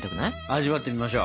味わってみましょう！